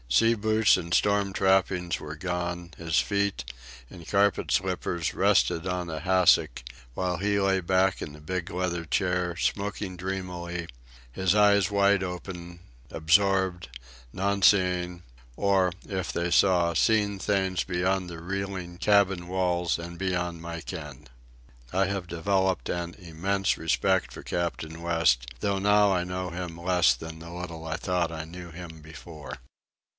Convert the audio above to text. Sea boots and storm trappings were gone; his feet, in carpet slippers, rested on a hassock; while he lay back in the big leather chair smoking dreamily, his eyes wide open, absorbed, non seeing—or, if they saw, seeing things beyond the reeling cabin walls and beyond my ken. I have developed an immense respect for Captain West, though now I know him less than the little I thought I knew him before.